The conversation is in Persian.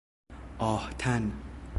آهتَن